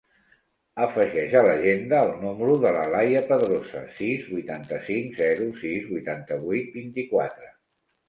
Afegeix a l'agenda el número de l'Alaia Pedrosa: sis, vuitanta-cinc, zero, sis, vuitanta-vuit, vint-i-quatre.